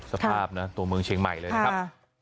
สภาพนะตัวเมืองเชียงใหม่เลยนะครับ